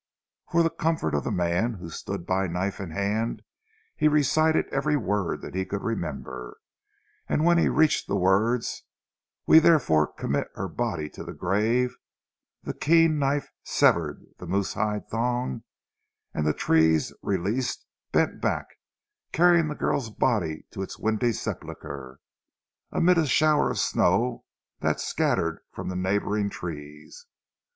_" For the comfort of the man, who stood by knife in hand, he recited every word that he could remember, and when he reached the words, "We therefore commit her body to the grave," the keen knife severed the moose hide thong, and the trees, released, bent back, carrying the girl's body to its windy sepulchre, amid a shower of snow that scattered from the neighbouring trees.